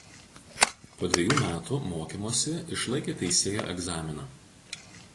Po dvejų metų mokymosi išlaikė teisėjo egzaminą.